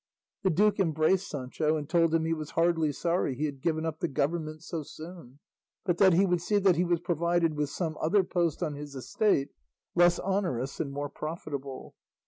The duke embraced Sancho and told him he was heartily sorry he had given up the government so soon, but that he would see that he was provided with some other post on his estate less onerous and more profitable.